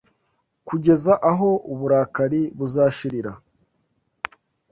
kugeza aho uburakari buzashirira